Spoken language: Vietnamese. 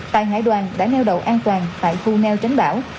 tại hải đoàn đã neo đậu an toàn tại khu neo tránh bão